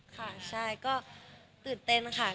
ค่ะใช่ก็ตื่นเต้นค่ะ